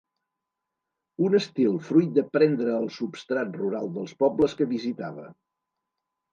Un estil fruit de prendre el substrat rural dels pobles que visitava.